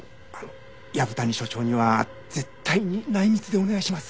藪谷所長には絶対に内密でお願いします。